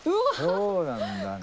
そうなんだね。